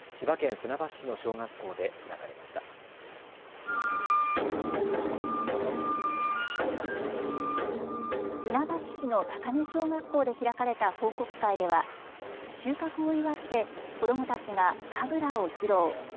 船橋市の高根小学校で開かれた報告会では収穫を祝って、子どもたちが神楽を披露。